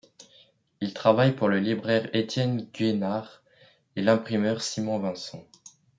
Il travaille pour le libraire Étienne Gueynard et l'imprimeur Simon Vincent.